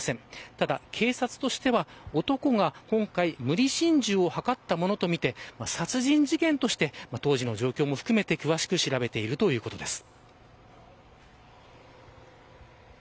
ただ、警察としては男が今回無理心中を図ったものとみて殺人事件として、当時の状況などを含めて詳しく調べているということです。